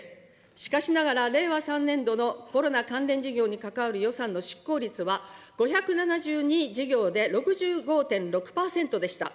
しかしながら、令和３年度のコロナ関連事業に関わる予算の執行率は５７２事業で６５．６％でした。